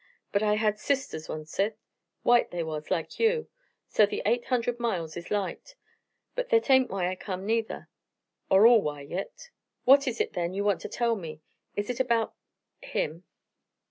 But I had sisters oncet white they was, like you. So the eight hunderd mile is light. But thet ain't why I come, neither, or all why, yit." "What is it then you want to tell me? Is it about him?"